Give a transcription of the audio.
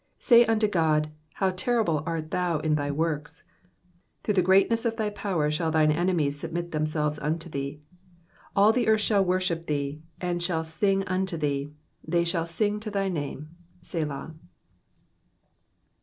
3 Say unto God, How terrible arf thou in thy works ! through the greatness of thy power shall thine enemies submit themselves unto thee. 4 All the earth shall worship thee, and shall sing unto thee ; they shall sing to thy name. Selah.